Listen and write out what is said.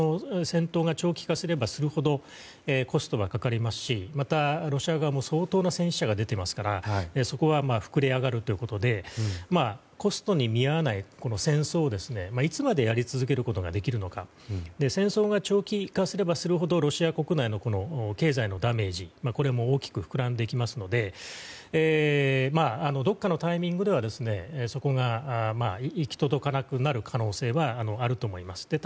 戦闘が長期化すればするほどコストはかかりますしまたロシア側も相当な戦死者が出ていますのでそこは、膨れ上がるということでコストに見合わない戦争をいつまでやり続けることができるのかと戦争が長期化すればするほどロシア国内の経済のダメージも大きく膨らんでくるのでどこかのタイミングでそこが行き届かなくなる可能性はあると思います。